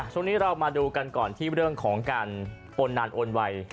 ช่วงนี้เรามาดูกันก่อนที่เรื่องของการโอนนานโอนไว